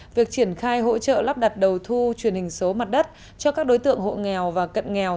việc triển khai hỗ trợ lắp đặt đầu thu truyền hình số mặt đất cho các đối tượng hộ nghèo và cận nghèo